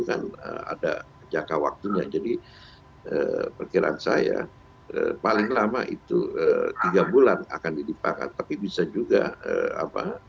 dan ada jangka waktunya jadi perkiraan saya terpaling lama itu kaplan akan didimpakan tapi bisa juga apa